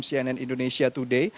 cnn indonesia today